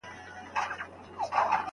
وارث په انګړ کې څه کوي؟